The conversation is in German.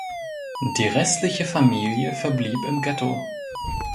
Die restliche Familie verblieb im Ghetto.